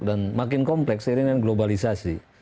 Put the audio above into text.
dan makin kompleks ini kan globalisasi